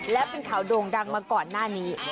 และเป็นข่าวโด่งดังมาก่อนหน้านี้